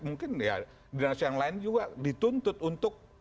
mungkin ya dinas yang lain juga dituntut untuk